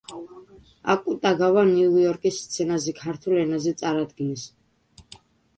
აკუტაგავა ნიუ იორკის სცენაზე ქართულ ენაზე წარადგინეს.